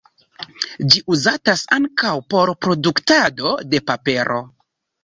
Ĝi uzatas ankaŭ por produktado de papero.